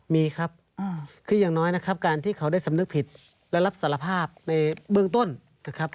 มีครับคืออย่างน้อยนะครับการที่เขาได้สำนึกผิดและรับสารภาพในเบื้องต้นนะครับ